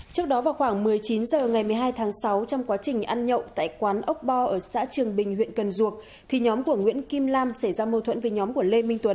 trước đó vào khoảng một mươi chín h ngày một mươi hai tháng sáu trong quá trình ăn nhậu tại quán ốc bo ở xã trường bình huyện cần duộc thì nhóm của nguyễn kim lam xảy ra mâu thuẫn với nhóm của lê minh tuấn